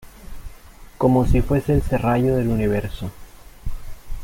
como si fuese el serrallo del Universo.